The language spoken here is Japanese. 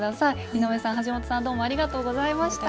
井上さん橋本さんどうもありがとうございました。